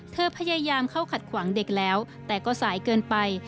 พยายามเข้าขัดขวางเด็กแล้วแต่ก็สายเกินไป